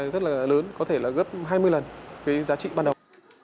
rất là lớn có thể là gấp hai mươi lần cái giá trị ban đầu